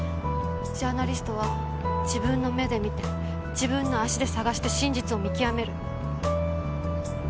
ジャーナリストは自分の目で見て自分の足で探して真実を見極める。